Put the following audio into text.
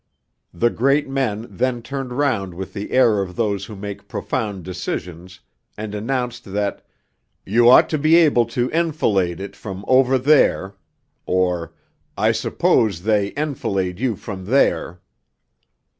The great men then turned round with the air of those who make profound decisions, and announced that 'You ought to be able to "enfilade" it from "over there,"' or 'I suppose they "enfilade" you from there.'